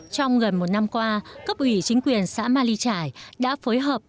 trong gần một năm qua cấp ủy chính quyền xã ma ly trải đã phối hợp với bản tà trải